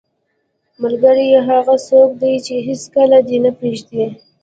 ملګری هغه څوک دی چې هیڅکله دې نه پرېږدي.